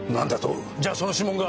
じゃその指紋が。